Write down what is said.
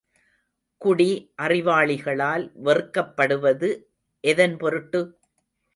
குடி அறிவாளிகளால் வெறுக்கப்படுவது எதன் பொருட்டு?